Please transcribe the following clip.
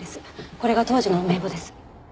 これが当時の名簿です。